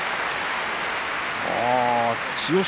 千代翔